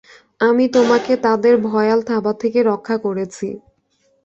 আমি তোমাকে তাদের ভয়াল থাবা থেকে রক্ষা করেছি।